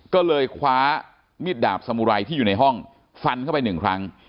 ก็เลยคว้ามีดดาบสมุไรที่อยู่ในห้องฟันเข้าไปหนึ่งครั้ง